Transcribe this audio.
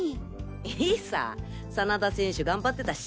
いいさ真田選手頑張ってたし。